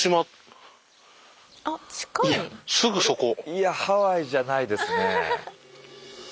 いやハワイじゃないですね。